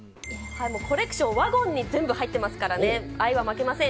コレクション、ワゴンに全部入ってますからね、愛は負けません。